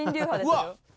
「うわっ」